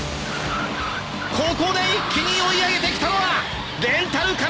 ここで一気に追い上げてきたのはレンタルカメ車での参加！